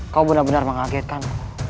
kau benar benar mengagetkan